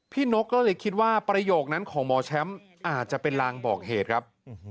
นกก็เลยคิดว่าประโยคนั้นของหมอแชมป์อาจจะเป็นลางบอกเหตุครับ